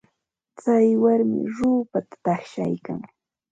Tsay warmi ruupata taqshaykan.